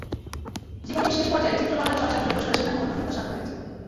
জীবনের শেষ পর্যায়ে চিত্রকলা চর্চায় মনোনিবেশ করে সেখানেও অনন্যতার স্বাক্ষর রেখেছেন।